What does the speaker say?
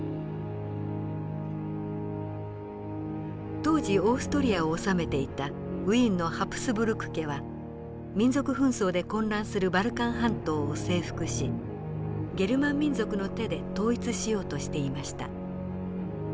当時オーストリアを治めていたウィーンのハプスブルク家は民族紛争で混乱するバルカン半島を征服しゲルマン民族の手で統一しようとしていました。